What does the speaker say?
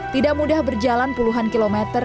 tidak mudah berjalan puluhan kilometer